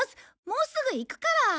もうすぐ行くから。